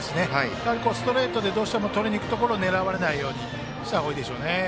やはりストレートでどうしても、とりにいくところを狙われないようにしないといけないです。